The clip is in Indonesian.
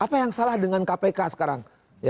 apa yang salah dengan kpk sekarang